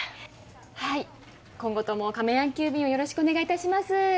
はい今後とも亀やん急便をよろしくお願いいたします。